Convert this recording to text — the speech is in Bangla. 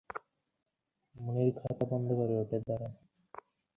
এ ঘটনায় দলটির জেলা সাধারণ সম্পাদক মতিউর রহমান মন্টুকে পুলিশ আটক করেছে।